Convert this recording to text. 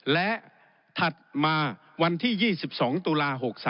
และถัดมาวันที่๒๒ตุลา๖๓